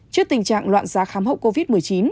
trước tình trạng loạn giá khám hậu covid một mươi chín